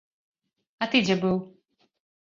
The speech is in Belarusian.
А ты дзе быў?!